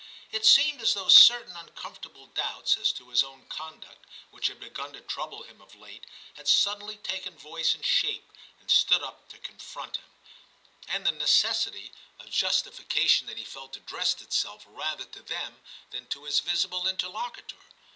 It seemed as though certain un comfortable doubts as to his own conduct, which had begun to trouble him of late, had suddenly taken voice and shape and stood up to confront him ; and the necessity of justifi 2S2 TIM CHAP. cation that he felt addressed itself rather to them than to his visible interlocutor.